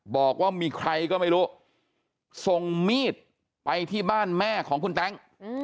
บอกว่ามีใครก็ไม่รู้ส่งมีดไปที่บ้านแม่ของคุณแต๊ง